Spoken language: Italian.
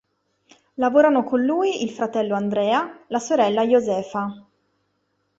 Lavorano con lui il fratello Andrea, la sorella Josefa.